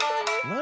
何？